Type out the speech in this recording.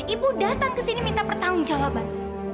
ibu datang ke sini minta pertanggung jawaban